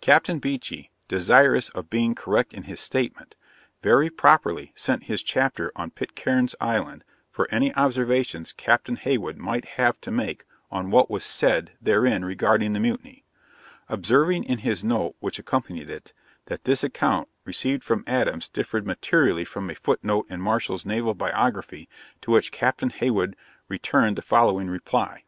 Captain Beechey, desirous of being correct in his statement, very properly sent his chapter on Pitcairn's Island for any observations Captain Heywood might have to make on what was said therein regarding the mutiny; observing in his note which accompanied it, that this account, received from Adams, differed materially from a footnote in Marshall's Naval Biography; to which Captain Heywood returned the following reply.